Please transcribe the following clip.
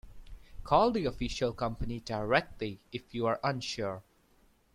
Call the official company directly if you are unsure.